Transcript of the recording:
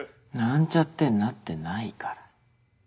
「なんちゃって」になってないから。